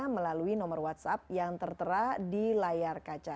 melalui nomor whatsapp yang tertera di layar kaca